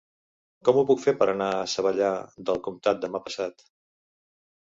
Com ho puc fer per anar a Savallà del Comtat demà passat?